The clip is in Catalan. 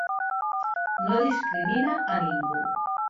No discrimina a ningú.